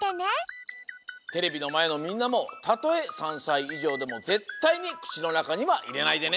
テレビのまえのみんなもたとえ３さいいじょうでもぜったいにくちのなかにはいれないでね！